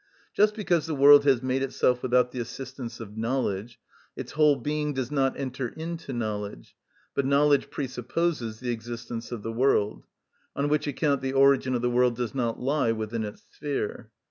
Just because the world has made itself without the assistance of knowledge, its whole being does not enter into knowledge, but knowledge presupposes the existence of the world; on which account the origin of the world does not lie within its sphere.